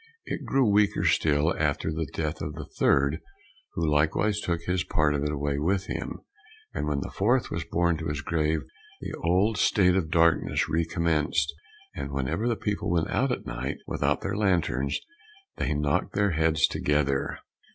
It grew weaker still after the death of the third, who likewise took his part of it away with him; and when the fourth was borne to his grave, the old state of darkness recommenced, and whenever the people went out at night without their lanterns they knocked their heads together.